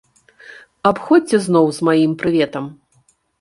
Абходзьце зноў з маім прыветам.